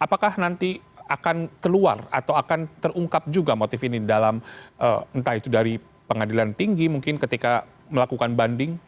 apakah nanti akan keluar atau akan terungkap juga motif ini dalam entah itu dari pengadilan tinggi mungkin ketika melakukan banding